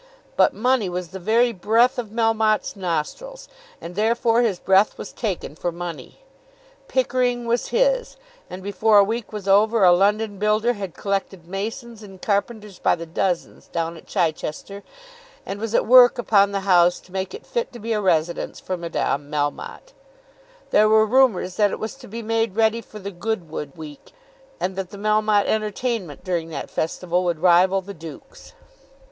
But money was the very breath of Melmotte's nostrils, and therefore his breath was taken for money. Pickering was his, and before a week was over a London builder had collected masons and carpenters by the dozen down at Chichester, and was at work upon the house to make it fit to be a residence for Madame Melmotte. There were rumours that it was to be made ready for the Goodwood week, and that the Melmotte entertainment during that festival would rival the duke's.